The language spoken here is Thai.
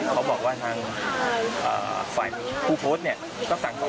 เขาบอกว่าทางฝ่ายผู้โพส